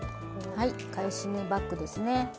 はい返し縫いバックですね。